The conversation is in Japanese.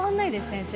先生